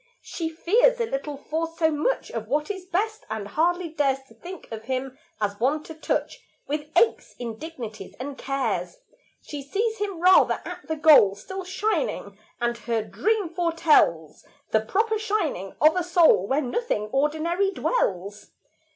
She fears a little for so much Of what is best, and hardly dares To think of him as one to touch With aches, indignities, and cares; She sees him rather at the goal, Still shining; and her dream foretells The proper shining of a soul Where nothing ordinary dwells.